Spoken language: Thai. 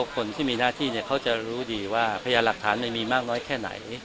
คนที่มีหน้าที่เขาจะรู้ดีว่าพยานหลักฐานมีมากน้อยแค่ไหน